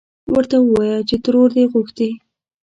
ورته ووايه چې ترور دې غوښتې.